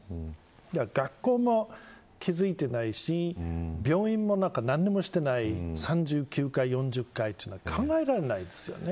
学校も気付いていないし病院も何もしていない３９回というのは考えられないですよね。